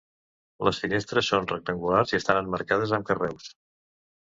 Les finestres són rectangulars i estan emmarcades amb carreus.